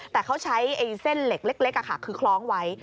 แต่เขาใช้เส้นเหล็กเล็กคือคล้องไว้